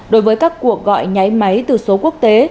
đối với các cuộc gọi nháy máy từ số quốc tế